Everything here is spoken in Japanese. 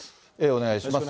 お願いします。